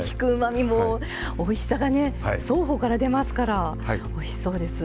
おいしさが双方から出ますからおいしそうです。